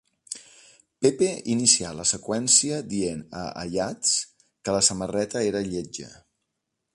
Pepe inicià la seqüència dient a Ayats que la samarreta era lletja.